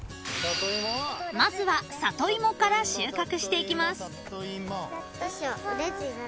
［まずはサトイモから収穫していきます］